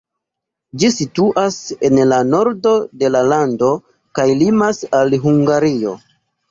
Ĝi situas en la nordo de la lando kaj limas al Hungario.